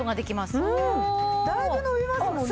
だいぶ伸びますもんね。